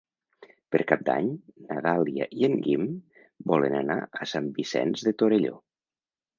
Per Cap d'Any na Dàlia i en Guim volen anar a Sant Vicenç de Torelló.